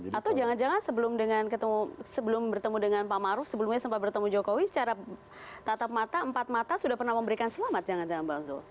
atau jangan jangan sebelum bertemu dengan pak maruf sebelumnya sempat bertemu jokowi secara tatap mata empat mata sudah pernah memberikan selamat jangan jangan bang zul